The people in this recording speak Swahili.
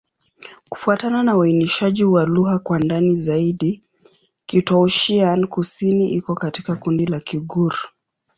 Kufuatana na uainishaji wa lugha kwa ndani zaidi, Kitoussian-Kusini iko katika kundi la Kigur.